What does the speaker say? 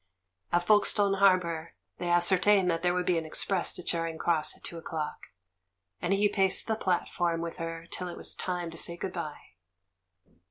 At Folkestone Harbour they ascertained that there would be an express to Charing Cross at two o'clock, and he paced the platform with her till it was time to say good bye.